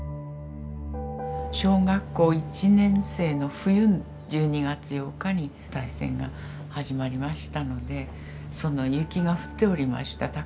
小学校１年生の冬１２月８日に大戦が始まりましたのでその雪が降っておりました。